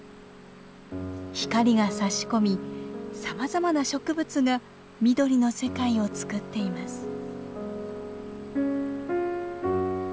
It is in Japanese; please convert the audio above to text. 光がさし込みさまざまな植物が緑の世界を作っています。